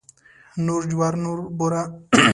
نور جوار نوره بوره.